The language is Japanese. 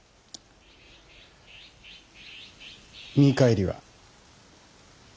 見返りは。